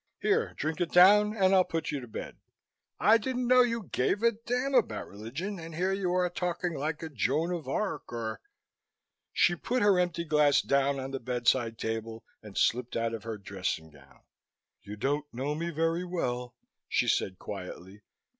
"Here, drink it down and I'll put you to bed. I didn't know you gave a damn about religion and here you are talking like a Joan of Arc or " She put her empty glass down on the bed side table and slipped out of her dressing gown. "You don't know me very well," she said quietly.